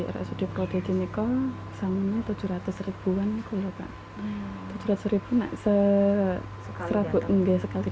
rasudiprojek ini call sangunnya tujuh ratus ribuan kalau pak tujuh ratus ribu nak se seratus nggak sekali